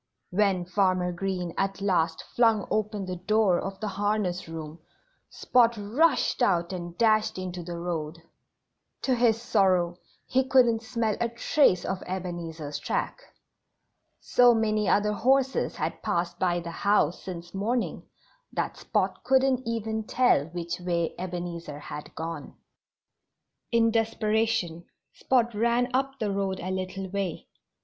When Farmer Green at last flung open the door of the harness room Spot rushed out and dashed into the road. To his sorrow he couldn't smell a trace of Ebenezer's track. So many other horses had passed by the house since morning that Spot couldn't even tell which way Ebenezer had gone. In desperation Spot ran up the road a little way.